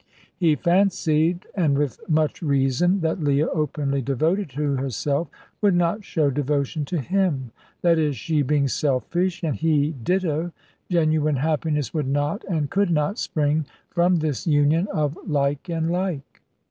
He fancied, and with much reason, that Leah, openly devoted to herself, would not show devotion to him: that is, she being selfish, and he ditto, genuine happiness would not and could not spring from this union of like and like.